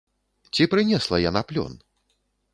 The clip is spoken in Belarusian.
Ці прынесла яна плён?